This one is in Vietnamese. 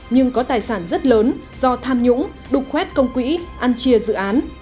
nhưng có tài sản rất lớn do tham nhũng đục khoét công quỹ ăn chia dự án